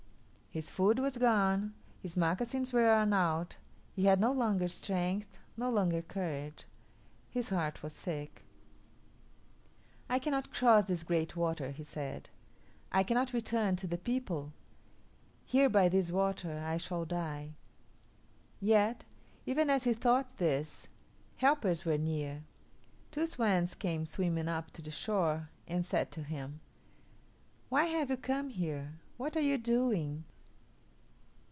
His food was gone; his moccasins were worn out; he had no longer strength, no longer courage; his heart was sick. "I cannot cross this great water," he said. "I cannot return to the people. Here by this water I shall die." Yet, even as he thought this, helpers were near. Two swans came swimming up to the shore and said to him, "Why have you come here? What are you doing?